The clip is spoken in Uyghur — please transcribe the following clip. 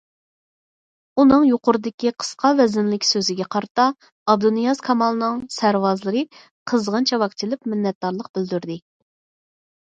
ئۇنىڭ يۇقىرىدىكى قىسقا ۋەزىنلىك سۆزىگە قارىتا ئابدۇنىياز كامالنىڭ سەرۋازلىرى قىزغىن چاۋاك چېلىپ مىننەتدارلىق بىلدۈردى.